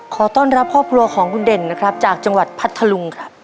ขอต้อนรับครอบครัวของคุณเด่นนะครับจากจังหวัดพัทธลุงครับ